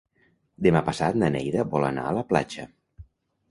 Demà passat na Neida vol anar a la platja.